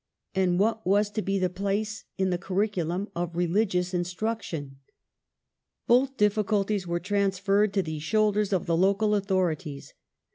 And, what was to be the place in the curriculum of religious instruction ? Both difficulties were transferred to the shoulders of the local authorities.